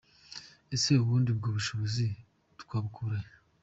Ese ubundi ubwo bushobozi twabukura he?”.